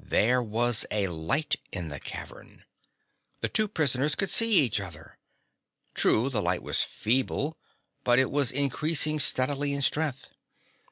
There was a light in the cavern! The two prisoners could see each other! True, the light was feeble, but it was increasing steadily in strength.